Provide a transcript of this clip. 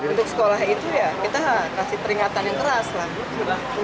untuk sekolah itu ya kita kasih peringatan yang keras lah